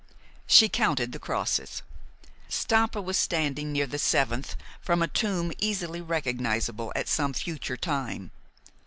She counted the crosses. Stampa was standing near the seventh from a tomb easily recognizable at some future time.